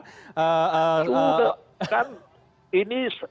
sudah kan ini